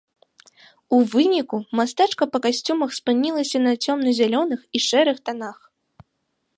У выніку мастачка па касцюмах спынілася на цёмна-зялёных і шэрых танах.